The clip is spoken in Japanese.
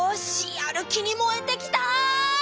やる気にもえてきた！